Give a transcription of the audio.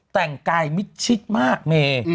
แต่งกายมิดชิดมากเม